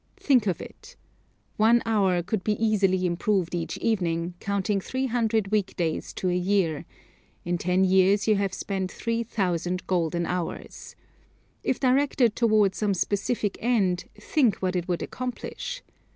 Think of it. One hour could be easily improved each evening, counting three hundred week days to a year; in ten years you have spent three thousand golden hours. If directed toward some specific end, think what it would accomplish.